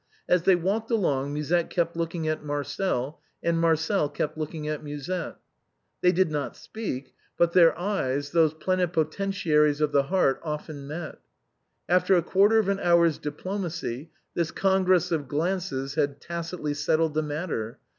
As they walked along Musette kept looking at Marcel, and Marcel kept looking at Musette. They did not speak, but their eyes, those plenipotentiaries of the heart, often met. After a quarter of an hour's diplomacy this con gress of glances had tacitly settled the matter.